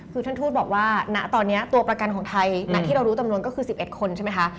คือท่านทูตบอกว่าณตอนนี้ตัวประกันของไทยที่เรารู้จำนวนก็คือ๑๑คนใช่ไหมคะ